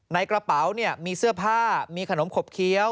ในกระเป๋ามีเสื้อผ้ามีขนมขบเคี้ยว